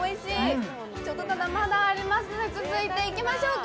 まだありますので、続いていきましょうか。